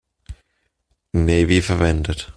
Navy verwendet.